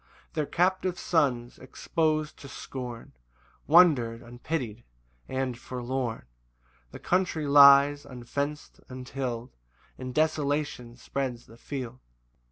6 Their captive sons, expos'd to scorn, Wander unpity'd and forlorn; The country lies unfenc'd, untill'd, And desolation spreads the field.